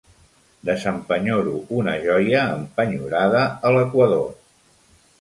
Desempenyoro una joia empenyorada a l'Equador.